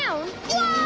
わあ！